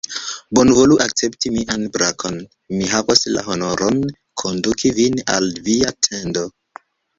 Bonvolu akcepti mian brakon: mi havos la honoron konduki vin al via tendo.